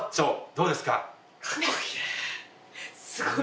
どうですか？